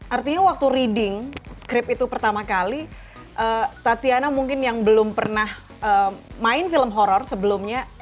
artinya waktu reading script itu pertama kali tatiana mungkin yang belum pernah main film horror sebelumnya